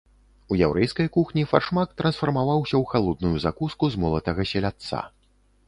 У яўрэйскай кухні фаршмак трансфармаваўся ў халодную закуску з молатага селядца.